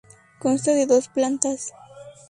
Consta de dos plantas.